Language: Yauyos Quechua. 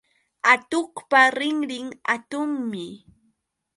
Atuqpa rinrin hatunmi